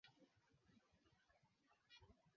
Kijana amevuta bangi